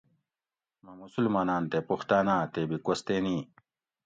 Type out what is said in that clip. مہ مسلماناۤں تے پُختاناۤ تے بھی کوستینی